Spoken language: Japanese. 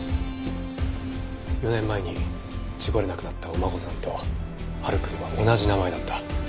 ４年前に事故で亡くなったお孫さんと晴くんは同じ名前だった。